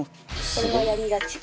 これはやりがち。